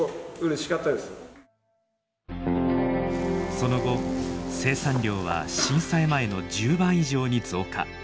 その後生産量は震災前の１０倍以上に増加。